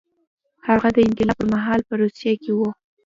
هغه د انقلاب پر مهال په روسیه کې و